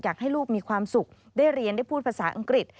อยากให้ลูกมีความสุขได้เรียนได้พูดภาษาอังกฤษ